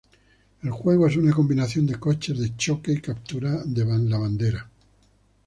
El juego es una combinación de coches de choque y capturar la bandera.